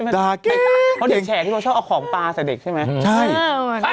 ด่าเก๋งเด็กเด็กก็จะชอบเอาของปลาซะเด็กใช่ไหม